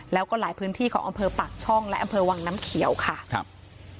แล้วก็หลายพื้นที่ของอำเภอปากช่องและอำเภอวังน้ำเขียวค่ะครับ